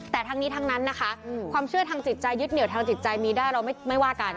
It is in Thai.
แต่ทั้งนี้ทั้งนั้นนะคะความเชื่อทางจิตใจยึดเหนียวทางจิตใจมีได้เราไม่ว่ากัน